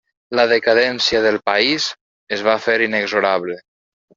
La decadència del país es va fer inexorable.